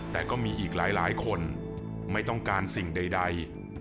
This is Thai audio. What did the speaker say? แต่ก็มีอีกหลายคนไม่ต้องการสิ่งใด